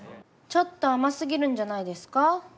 ちょっと甘すぎるんじゃないですか？